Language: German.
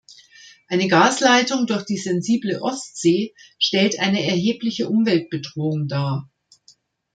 Eine Gasleitung durch die sensible Ostsee stellt eine erhebliche Umweltbedrohung dar.